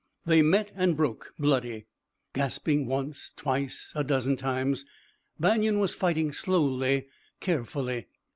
They met and broke, bloody, gasping, once, twice, a dozen times. Banion was fighting slowly, carefully.